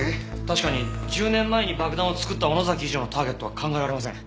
確かに１０年前に爆弾を作った尾野崎以上のターゲットは考えられません。